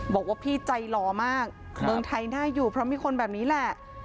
บอกว่าพี่ใจหล่อมากเมืองไทยน่าอยู่เพราะมีคนแบบนี้แหละ